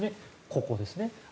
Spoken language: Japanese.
ここですね。